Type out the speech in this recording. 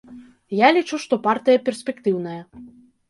Я лічу, што партыя перспектыўная.